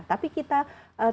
tapi kita kita harus mengerti